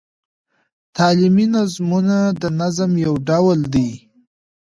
تعلیمي نظمونه د نظم یو ډول دﺉ.